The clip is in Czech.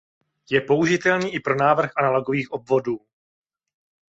Je použitelný i pro návrh analogových obvodů.